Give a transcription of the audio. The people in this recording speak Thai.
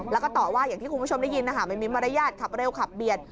แล้วก็ต่อว่าอย่างที่คุณผู้ชมได้ยินนะคะไม่มีมารยาทขับเร็วขับเบียด